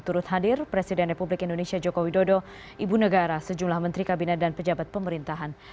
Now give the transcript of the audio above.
turut hadir presiden republik indonesia joko widodo ibu negara sejumlah menteri kabinet dan pejabat pemerintahan